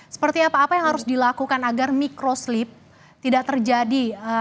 seperti apa apa yang harus dilakukan agar mikroslip tidak terjadi